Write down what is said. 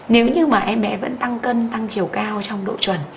nếu như mà em bé vẫn tăng cân tăng chiều cao trong độ chuẩn